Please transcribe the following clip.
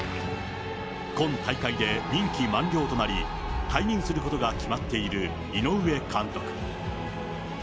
今大会で任期満了となり、退任することが決まっている井上監督。